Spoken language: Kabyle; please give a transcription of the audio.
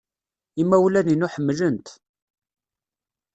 Imawlan-inu ḥemmlen-t.